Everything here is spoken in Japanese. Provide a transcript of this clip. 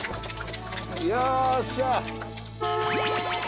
よっしゃ。